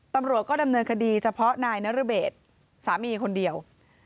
ตำรวจก็ดำเนินคดีเฉพาะนายนรเบศสามีคนเดียว